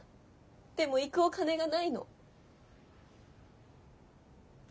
でも行くお金がないの。